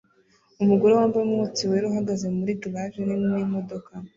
Umugore wambaye umwotsi wera uhagaze muri garage nini n'imodoka